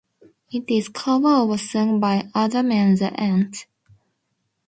It is a cover of a song by Adam and the Ants.